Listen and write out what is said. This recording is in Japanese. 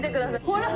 ほら！